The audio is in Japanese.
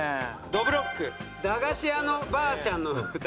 「どぶろっく“駄菓子屋のばあちゃんの歌”」。